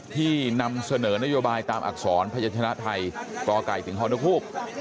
นำเสนอนโยบายตามอักษรพยันชนะไทยกไก่ถึงฮนกฮูก